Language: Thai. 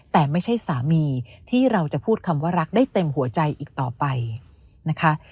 แต่ไม่ใช่สามีที่เราจะพูดคำว่ารักได้เต็มหัวใจอีกต่อไปนะคะ